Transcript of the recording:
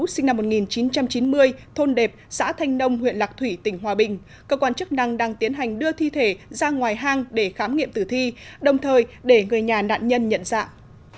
sinh năm một nghìn chín trăm chín mươi thôn đẹp xã thanh nông huyện lạc thủy tỉnh hòa bình cơ quan chức năng đang tiến hành đưa thi thể ra ngoài hang để khám nghiệm tử thi đồng thời để người nhà nạn nhân nhận dạng